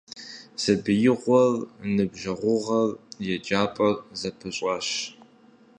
Сабиигъуэр, ныбжьэгъугъэр, еджапӀэр зэпыщӀащ.